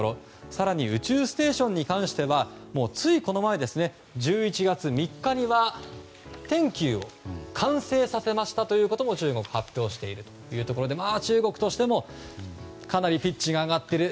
更に宇宙ステーションに関してはついこの前、１１月３日には「天宮」を完成させましたと中国は発表しているというところで中国としてもかなりピッチが上がっている。